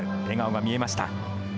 笑顔が見えました。